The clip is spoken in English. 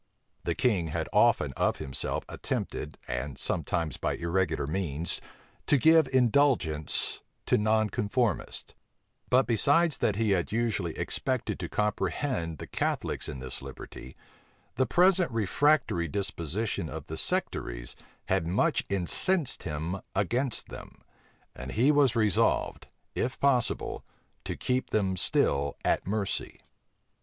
The king had often of himself attempted, and sometimes by irregular means, to give indulgence to nonconformists: but besides that he had usually expected to comprehend the Catholics in this liberty, the present refractory disposition of the sectaries had much incensed him against them; and he was resolved, if possible, to keep them still at mercy.